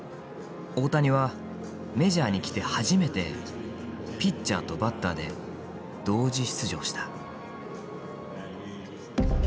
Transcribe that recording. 大谷はメジャーに来て初めてピッチャーとバッターで同時出場した。